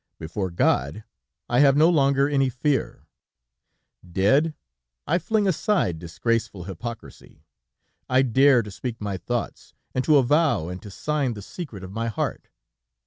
Before God, I have no longer any fear. Dead, I fling aside disgraceful hypocrisy; I dare to speak my thoughts, and to avow and to sign the secret of my heart.